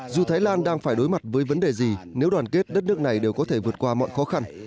dù thái lan đang phải đối mặt với vấn đề gì nếu đoàn kết đất nước này đều có thể vượt qua mọi khó khăn